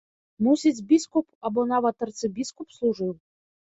Мусіць, біскуп або нават арцыбіскуп служыў.